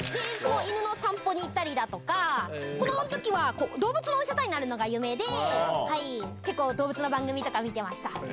犬の散歩に行ったりだとか、子どものときは動物のお医者さんになるのが夢で、はいー、結構、動物の番組とか見てました。